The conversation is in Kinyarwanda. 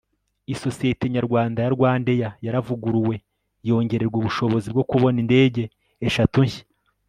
isosiyeti nyarwanda ya rwandair yaravuguruwe yongererwa ubushobozi bwo kubona indege eshatu nshya